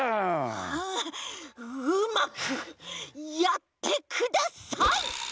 ああうまくやってください！